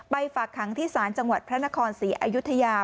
ฝากขังที่ศาลจังหวัดพระนครศรีอยุธยา